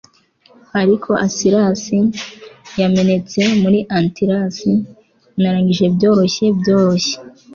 ariko acilles yamenetse muri antilles narangije byoroshye byoroshye